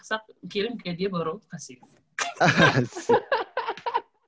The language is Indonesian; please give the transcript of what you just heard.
satu kirim kayak dia baru kasih